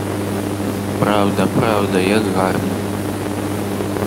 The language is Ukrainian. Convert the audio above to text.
Правда, правда, як гарно!